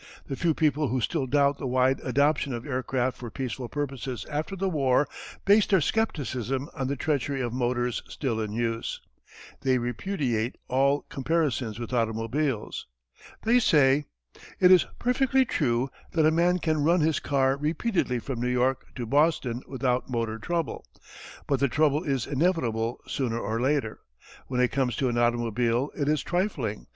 The few people who still doubt the wide adoption of aircraft for peaceful purposes after the war base their skepticism on the treachery of motors still in use. They repudiate all comparisons with automobiles. They say: It is perfectly true that a man can run his car repeatedly from New York to Boston without motor trouble. But the trouble is inevitable sooner or later. When it comes to an automobile it is trifling.